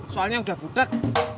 soalnya udah budak